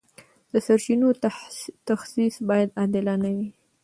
د سرچینو تخصیص باید عادلانه وي.